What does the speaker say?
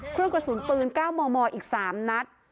เครื่องกระสุนปืน๙มมอีก๓นัด